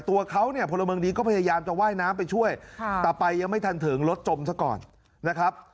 ตัวเขาเนี่ยพลเมืองดีก็พยายามจะว่ายน้ำไปช่วยแต่ไปยังไม่ทันถึงรถจมซะก่อนนะครับ